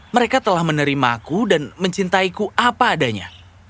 mereka telah menerimaku dan mencintaiku apa adanya